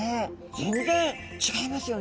全然違いますよね。